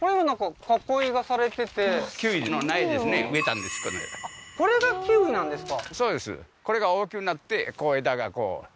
うんへえーこれがキウイなんですか？